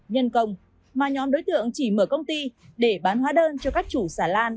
nhân công mà nhóm đối tượng chỉ mở công ty để bán hóa đơn cho các chủ xà lan